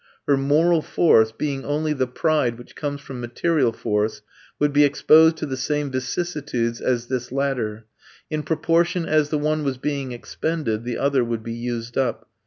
Her moral force, being only the pride which comes from material force, would be exposed to the same vicissitudes as this latter: in proportion as the one was being expended the other would be used up.